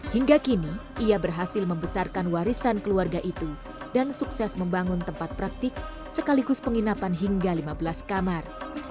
hingga kini ia berhasil membesarkan warisan keluarga itu dan sukses membangun tempat praktik sekaligus penginapan hingga lima belas kamar